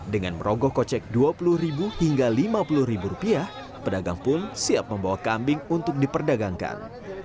dengan merogoh kocek dua puluh ribu hingga lima puluh ribu rupiah pedagang pun siap membawa kambing untuk diperdagangkan